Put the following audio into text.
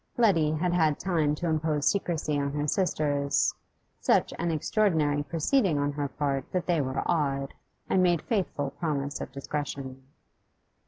Letty had had time to impose secrecy on her sisters, such an extraordinary proceeding on her part that they were awed, and made faithful promise of discretion.